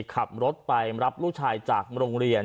ขับรถไปรับลูกชายจากโรงเรียน